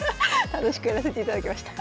楽しくやらせていただきました。